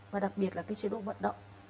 và đặc biệt là chế độ vận động